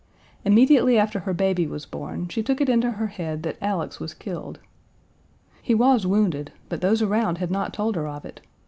Immediately after her baby was born, she took it into her head that Alex was killed. He was wounded, but those around had not told her of it.